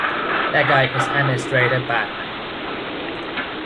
Their guide is administrator Badman.